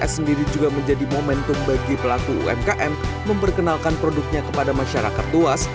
s sendiri juga menjadi momentum bagi pelaku umkm memperkenalkan produknya kepada masyarakat luas